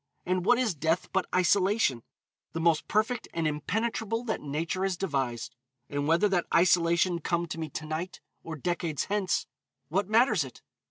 And what is death but isolation? The most perfect and impenetrable that Nature has devised. And whether that isolation come to me to night or decades hence, what matters it?